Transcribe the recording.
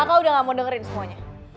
kakak udah gak mau dengerin semuanya